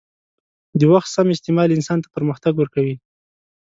د وخت سم استعمال انسان ته پرمختګ ورکوي.